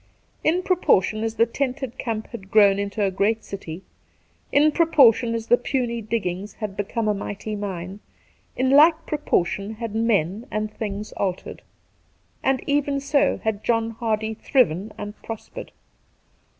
In proportion as the tented camp had grown into a great city, in proportion as the puny diggings had become a mighty mine, in like proportion had men and things altered ; and even so had John Hardy thriven and prospered.